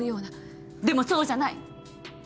でもそうじゃない。